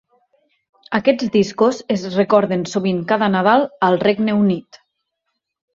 Aquests discos es recorden sovint cada nadal al Regne Unit.